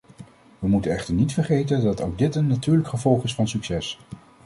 We moeten echter niet vergeten dat ook dit een natuurlijk gevolg is van succes.